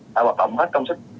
đã hoạt động hết công sức